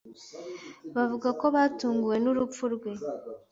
Avuga ko batunguwe n'urupfu rwe